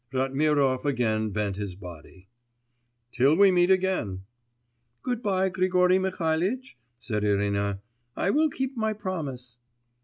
Ratmirov again bent his body. 'Till we meet again!' 'Good bye, Grigory Mihalitch,' said Irina. 'I will keep my promise.